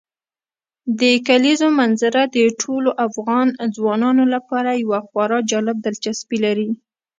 د کلیزو منظره د ټولو افغان ځوانانو لپاره یوه خورا جالب دلچسپي لري.